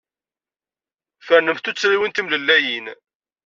Fernemt tuttriwin timlellayin.